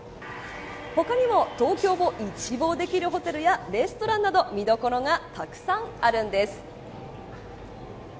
他にも東京を一望できるホテルやレストランなど見どころがたくさんあるんです。